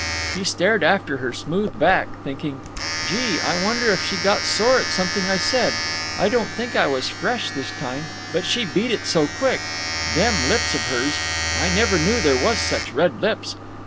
He stared after her smooth back, thinking: "Gee! I wonder if she got sore at something I said. I don't think I was fresh this time. But she beat it so quick…. Them lips of hers—I never knew there was such red lips.